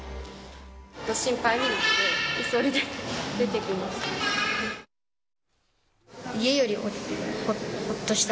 心配になって、急いで出てきました。